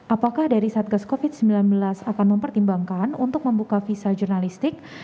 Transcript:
apakah dari satgas covid sembilan belas akan mempertimbangkan untuk membuka visa jurnalistik